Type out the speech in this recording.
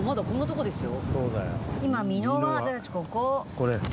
これ？